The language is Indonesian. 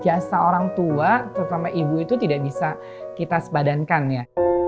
jasa orang tua terutama ibu itu tidak bisa kita sebadankan ya